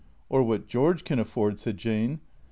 " Or what George can afford," said Jane.